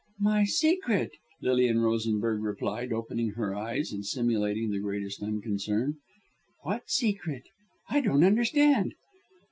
"My secret!" Lilian Rosenberg replied, opening her eyes and simulating the greatest unconcern, "what secret? I don't understand."